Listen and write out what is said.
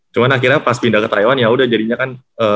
cuma akhirnya pas pindah ke taiwan yaudah jadinya kan